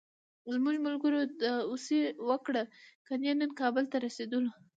زموږ ملګرو داوسي وکړه، کني نن کابل ته رسېدلو.